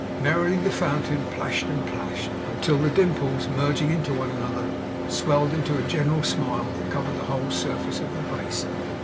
Merrily the fountain plashed and plashed, until the dimples, merging into one another, swelled into a general smile, that covered the whole surface of the basin.